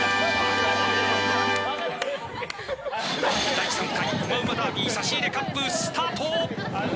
第３回うまうまダービー差し入れカップ、スタート！